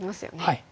はい。